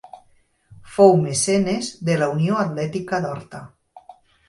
Fou mecenes de la Unió Atlètica d'Horta.